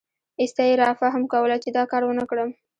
ایسته یې رافهم کوله چې دا کار ونکړم.